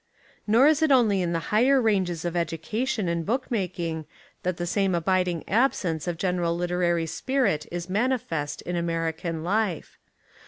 Nor is it only in the higher ranges of educa tion and book making that the same abiding ab sence of general literary spirit is manifest in American life.